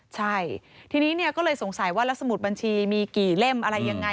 ใช่ทีนี้เนี่ยก็เลยสงสัยว่าแล้วสมุดบัญชีมีกี่เล่มอะไรยังไง